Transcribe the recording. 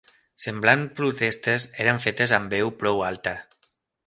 Semblants protestes eren fetes amb veu prou alta